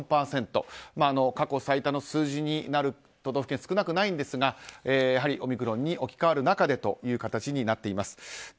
過去最多の数字になる都道府県少なくないんですがやはりオミクロンに置き換わる中でという形になっています。